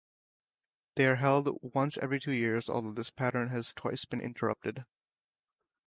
They are held once every two years, although this pattern has twice been interrupted.